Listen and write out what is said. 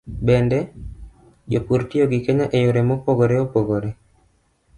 Bende, jopur tiyo gi Kenya e yore mopogore opogore.